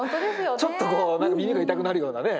ちょっとこう耳が痛くなるようなね。